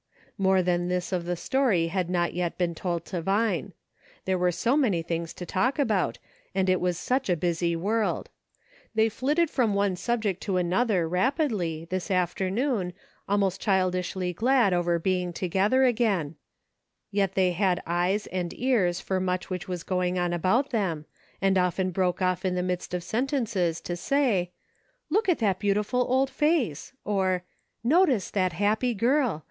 More than this of the story had not yet been told to Vine. There were so many things to talk about, and it was such a busy world. They flitted from one subject to another rapidly, this afternoon, almost childishly glad over being together again ; yet they had eyes and ears for much which was going on about them, and often broke off in the midst of sentences to say :" Look at that beautiful old face !" or, " Notice that happy girl